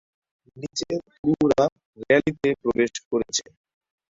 নিচের ক্রুরা র্যালিতে প্রবেশ করেছে।